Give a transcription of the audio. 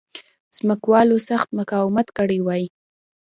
ځمکوالو سخت مقاومت کړی وای.